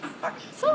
そう。